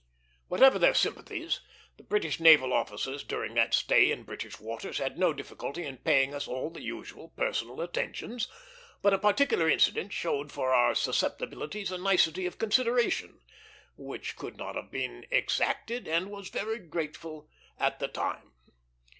Whatever their sympathies, the British naval officers during that stay in British waters had no difficulty in paying us all the usual personal attentions; but a particular incident showed for our susceptibilities a nicety of consideration, which could not have been exacted and was very grateful at the time.